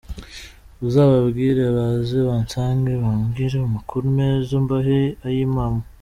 Uzababwire baze bansange mbabwire amakuru neza mbahe ay’impamo.